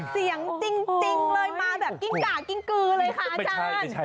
เสียงจริงเลยจะมาแบบกิ้นกล่ากิ้นกลือเลยค่ะอาจารย์